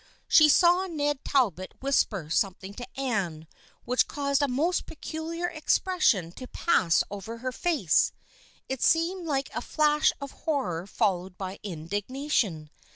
She saw Ned Talbot whisper something to Anne, which caused a most peculiar expression to pass over her face. It seemed like a flash of horror followed by indignation.